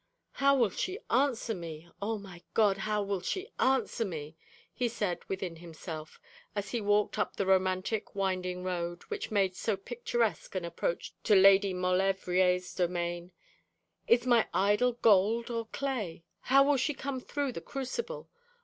'How will she answer me? Oh, my God! how will she answer?' he said within himself, as he walked up the romantic winding road, which made so picturesque an approach to Lady Maulevrier's domain, 'Is my idol gold or clay? How will she come through the crucible?